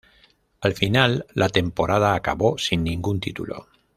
Al final la temporada acabó sin ningún título.